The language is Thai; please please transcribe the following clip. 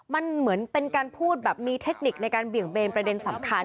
มันเหมือนเป็นการพูดแบบมีเทคนิคในการเบี่ยงเบนประเด็นสำคัญ